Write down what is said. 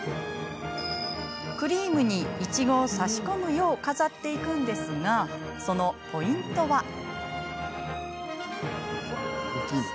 クリームに、いちごを差し込むよう飾っていくんですがそのポイントは。